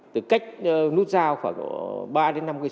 từ cách nút giao khoảng ba năm km